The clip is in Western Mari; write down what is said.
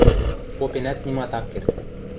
Попенӓт нимат ак керд.